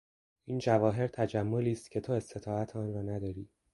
این جواهر تجملی است که تو استطاعت آن را نداری